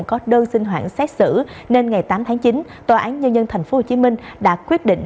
có đơn xin hoãn xét xử nên ngày tám tháng chín tòa án nhân dân tp hcm đã quyết định